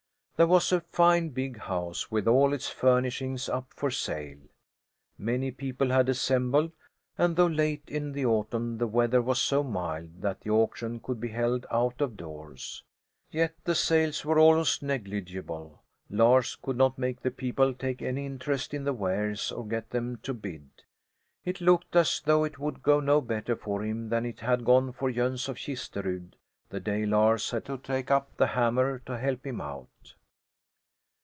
There was a fine big house, with all its furnishings up for sale. Many people had assembled, and though late in the autumn the weather was so mild that the auction could be held out of doors; yet the sales were almost negligible. Lars could not make the people take any interest in the wares, or get them to bid. It looked as though it would go no better for him than it had gone for Jöns of Kisterud the day Lars had to take up the hammer to help him out.